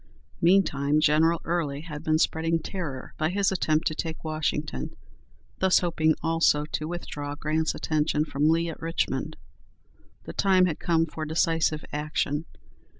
Meantime General Early had been spreading terror by his attempt to take Washington, thus hoping also to withdraw Grant's attention from Lee at Richmond. The time had come for decisive action.